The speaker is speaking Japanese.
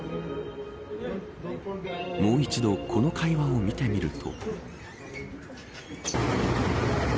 もう一度この会話を見てみると。